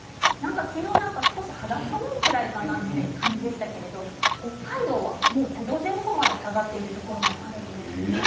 昨日なんか肌寒いぐらいかなという感じでしたけど北海道は、もう５度前後まで下がっているところもあるんです。